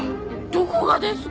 どこがですか！？